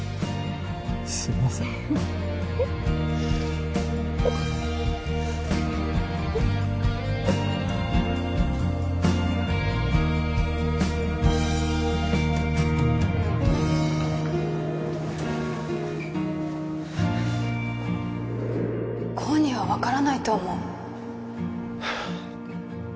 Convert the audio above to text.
すいません功には分からないと思う